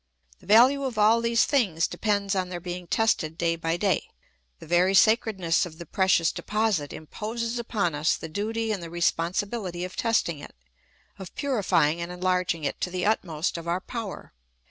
The value of all these things depends on their being tested day by day. The very sacredness of the precious deposit imposes upon us the duty and the responsibihty of test ing it, of purifying and enlarging it to the utmost of our power.